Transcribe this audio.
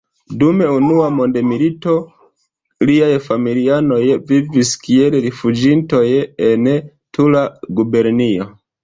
Dum Unua mondmilito, liaj familianoj vivis kiel rifuĝintoj en Tula gubernio.